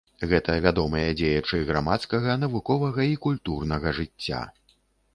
Гэта вядомыя дзеячы грамадскага, навуковага і культурнага жыцця.